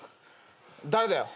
誰だよ。